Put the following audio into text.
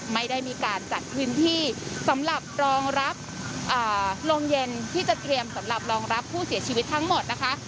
ไม่ได้มีการจัดพื้นที่สำหรับรองรับโรงเย็นที่จะเตรียมสำหรับรองรับผู้เสียชีวิตทั้งหมดนะคะ